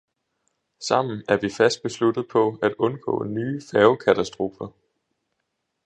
Sammen er vi fast besluttet på at undgå nye færgekatastrofer.